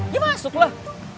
ya masuk lah